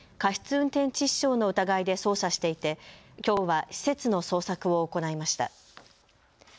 運転致死傷の疑いで捜査していて、きょうは施設の捜索を行いました。